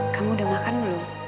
kamu udah makan belum